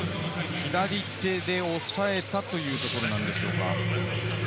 左手で抑えたということなんでしょうか。